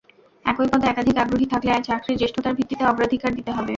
একই পদে একাধিক আগ্রহী থাকলে চাকরির জ্যেষ্ঠতার ভিত্তিতে অগ্রাধিকার দিতে হবে।